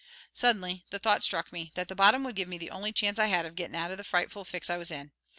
Suddenly the thought struck me that that bottom would give me the only chance I had of gettin' out of the frightful fix I was in.